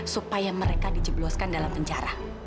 supaya mereka dijebloskan dalam penjara